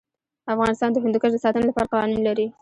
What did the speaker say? افغانستان د هندوکش د ساتنې لپاره قوانین لري.